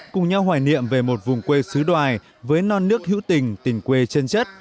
cùng nhau hoài niệm về một vùng quê xứ đoài với non nước hữu tình tình quê chân chất